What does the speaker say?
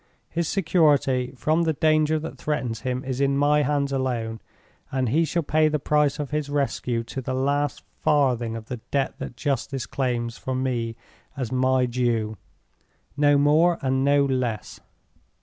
His security from the danger that threatens him is in my hands alone; and he shall pay the price of his rescue to the last farthing of the debt that justice claims for me as my due—no more, and no less.